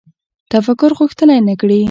تفکر غښتلی نه کړي